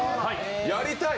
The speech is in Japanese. やりたい？